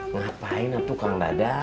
ngapain itu kak dadah